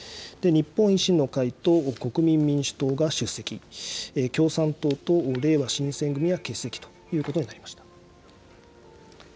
日本維新の会と国民民主党が出席、共産党とれいわ新選組は欠席ということになりました。